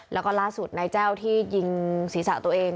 แล้วก็ล่าสุดนายแจ้วที่ยิงศีรษะตัวเอง